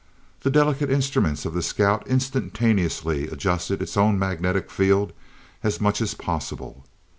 The delicate instruments of the scout instantaneously adjusted its own magnetic field as much as possible.